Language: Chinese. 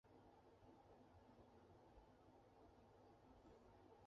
勒梅斯尼吉洛姆。